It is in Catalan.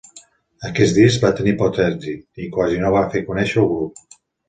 Aquest disc va tenir poc èxit i quasi no va fer conèixer el grup.